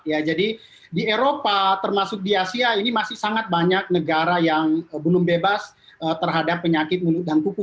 ya jadi di eropa termasuk di asia ini masih sangat banyak negara yang belum bebas terhadap penyakit mulut dan kuku